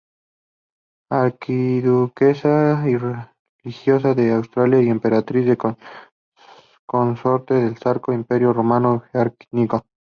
Archiduquesa y religiosa de Austria y emperatriz consorte del Sacro Imperio Romano Germánico.